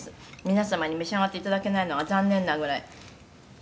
「皆様に召し上がって頂けないのが残念なぐらい本当に」